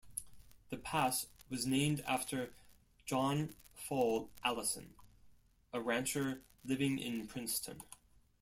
The pass was named after John Fall Allison, a rancher living in Princeton.